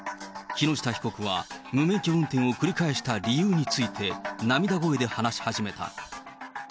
木下被告は無免許運転を繰り返した理由について、涙声で話し始めた。